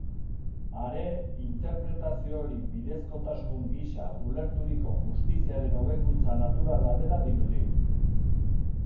Are, interpretazio hori bidezkotasun gisa ulerturiko justiziaren hobekuntza naturala dela dirudi.